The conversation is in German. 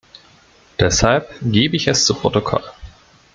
Deshalb gebe ich es zu Protokoll.